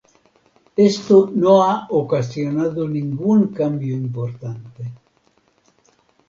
Esto no ha ocasionado ningún cambio importante.